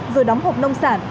rồi đóng hộp nông sản